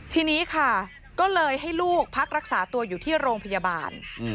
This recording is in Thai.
ทีนี้ค่ะก็เลยให้ลูกพักรักษาตัวอยู่ที่โรงพยาบาล